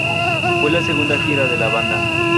Fue la segunda gira de la banda.